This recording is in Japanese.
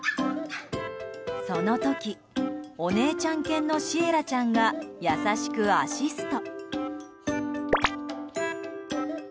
その時、お姉ちゃん犬のシエラちゃんが優しくアシスト。